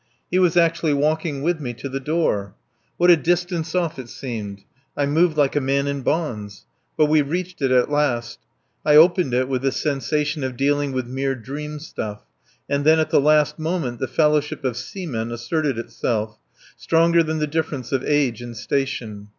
He was actually walking with me to the door. What a distance off it seemed! I moved like a man in bonds. But we reached it at last. I opened it with the sensation of dealing with mere dream stuff, and then at the last moment the fellowship of seamen asserted itself, stronger than the difference of age and station.